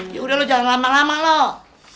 ya udah lu jangan lama lama loh